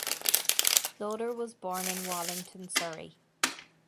Loader was born in Wallington, Surrey.